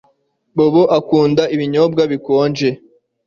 Bobo akunda ibinyobwa bikonje